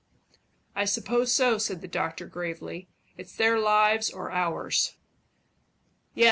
"I suppose so," said the doctor gravely. "It's their lives or ours." "Yes.